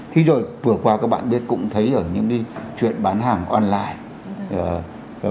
khi rồi vừa qua các bạn biết cũng thấy ở những cái chuyện bán hàng online